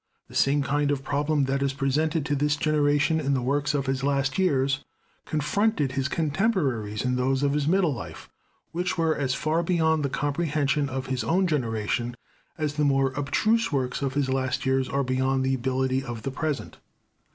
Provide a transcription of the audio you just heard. The same kind of problem that is presented to this generation in the works of his last years, confronted his contemporaries in those of his middle life, which were as far beyond the comprehension of his own generation as the more abstruse works of his last years are beyond the ability of the present.